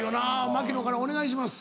槙野からお願いします。